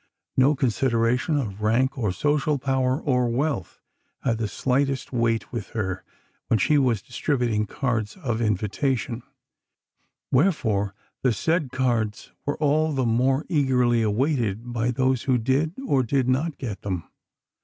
No consideration of rank or social power or wealth had the slightest weight with her when she was distributing cards of invitation, wherefore the said cards were all the more eagerly awaited by those who did, and did not, get them.